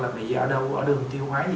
là bị ở đâu ở đường tiêu hóa gì